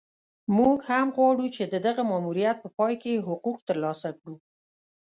موږ هم غواړو چې د دغه ماموریت په پای کې حقوق ترلاسه کړو.